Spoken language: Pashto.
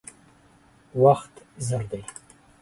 وخت زر دی.